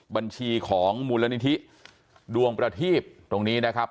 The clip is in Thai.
บัญชีของมูลนิธิดวงประทีบตรงนี้นะครับ